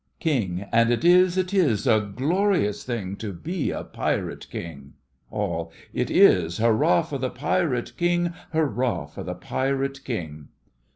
KING: And it is, it is a glorious thing To be a Pirate King. ALL: It is! Hurrah for the Pirate King! Hurrah for the Pirate King!